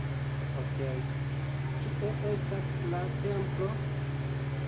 Okej, kie estas la templo?